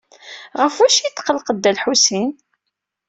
Ɣef wacu i yetqelleq Dda Lḥusin?